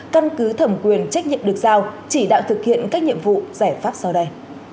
căn cứ thẩm quyền trách nhiệm được giao chỉ đạo thực hiện các nhiệm vụ giải pháp sau đây